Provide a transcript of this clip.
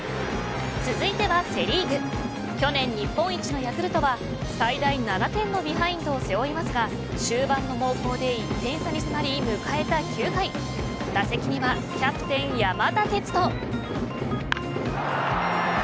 続いてはセ・リーグ去年日本一のヤクルトは最大７点のビハインドを背負いますが終盤の猛攻で１点差に迫り迎えた９回打席にはキャプテン山田哲人